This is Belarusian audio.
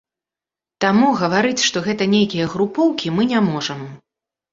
Таму гаварыць, што гэта нейкія групоўкі, мы не можам.